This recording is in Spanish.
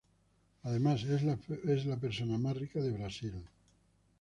Además, es la persona más rica de Brasil.